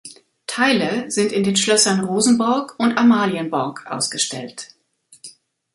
Teile sind in den Schlössern Rosenborg und Amalienborg ausgestellt.